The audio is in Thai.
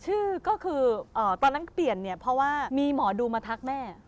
ชื่อก็คือตอนนั้นเปลี่ยนเนี่ยเพราะว่ามีหมอดูมาทักแม่